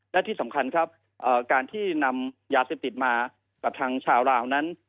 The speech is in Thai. และที่สำคัญครับการที่นำยาเสพติดมากับทางชาวลาวนั้น